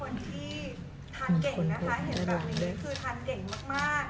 เห็นกับผมนี้คือทานเก่งมาก